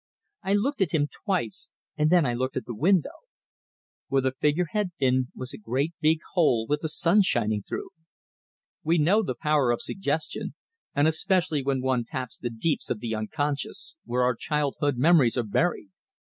I looked at him twice, and then I looked at the window. Where the figure had been was a great big hole with the sun shining through! We know the power of suggestion, and especially when one taps the deeps of the unconscious, where our childhood memories are buried.